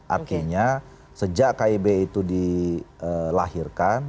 artinya sejak kib itu dilahirkan